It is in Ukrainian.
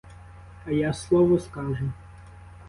А я слово скажу.